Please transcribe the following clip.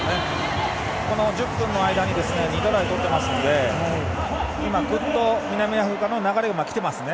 この１０分の間に２度、トライ取ってますので南アフリカの流れが来ていますね。